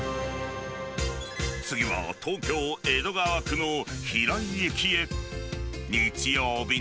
次は、東京・江戸川区の平井駅へ。